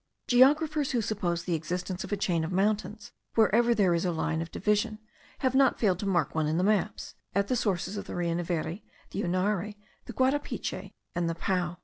Geographers, who suppose the existence of a chain of mountains wherever there is a line of division, have not failed to mark one in the maps, at the sources of the Rio Neveri, the Unare, the Guarapiche, and the Pao.